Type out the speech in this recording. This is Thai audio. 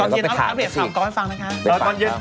ข้าวเกร็งคำก้อนฟังค่ะ